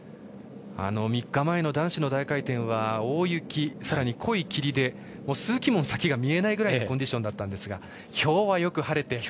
３日前の男子の大回転は大雪、さらに濃い霧で数旗門先が見えないぐらいのコンディションだったんですが今日はよく晴れて。